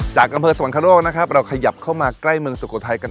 จากอำเภอสวรรคโลกนะครับเราขยับเข้ามาใกล้เมืองสุโขทัยกัน